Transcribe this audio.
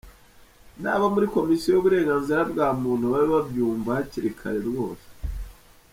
N’abo muri Komisiyo y’Uburenganzira bwa muntu babe babyumva hakiri kare, rwose.”